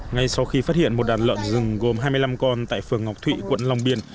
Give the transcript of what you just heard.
ngay sau khi phát hiện một đàn lợn rừng gồm hai mươi năm con tại phường ngọc thụy quận long biên